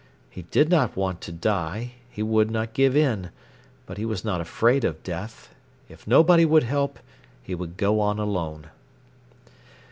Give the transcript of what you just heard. He did not want to die; he would not give in. But he was not afraid of death. If nobody would help, he would go on alone.